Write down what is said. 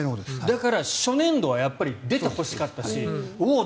だから初年度は出てほしかったしおお！